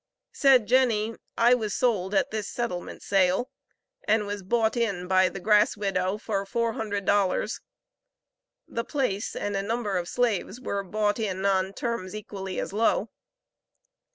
Said Jenny, "I was sold at this settlement sale, and bought in by the 'grass widow' for four hundred dollars." The place and a number of slaves were bought in on terms equally as low.